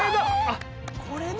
あっこれだ。